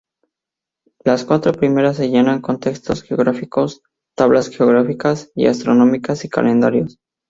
Las cuatro primeras se llenan con textos geográficos, tablas geográficas y astronómicas y calendarios.